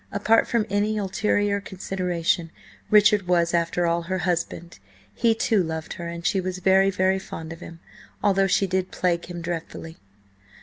Apart from any ulterior consideration, Richard was, after all, her husband; he, too, loved her, and she was very, very fond of him, although she did plague him dreadfully.